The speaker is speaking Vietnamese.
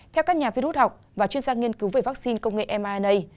theo các nhà vi rút học và chuyên gia nghiên cứu về vaccine công nghệ mrna